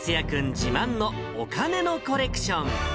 自慢のお金のコレクション。